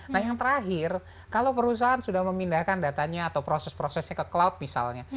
nah yang terakhir kalau perusahaan sudah memindahkan datanya atau proses prosesnya ke cloud misalnya